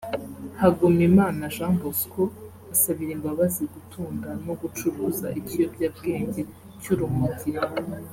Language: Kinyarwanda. Hagumimana Jean Bosco asabira imbabazi gutunda no gucuruza ikiyobyabwenge cy’urumogi